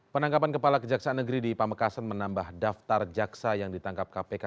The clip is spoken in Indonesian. penangkapan kepala kejaksaan negeri di pamekasan menambah daftar jaksa yang ditangkap kpk